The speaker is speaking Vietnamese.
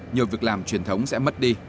nhiều việc làm truyền thống sẽ mất đi